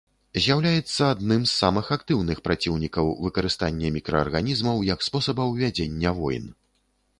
З'яўляецца адным з самых актыўных праціўнікаў выкарыстання мікраарганізмаў як спосабаў вядзення войн.